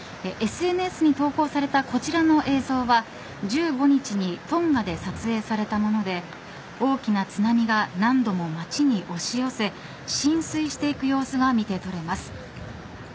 ＳＮＳに投稿されたこちらの映像は１５日にトンガで撮影されたもので大きな津波が何度も町に押し寄せ浸水していく様子が見て取れます。